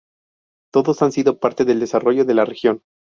Todos han sido parte del desarrollo de la región.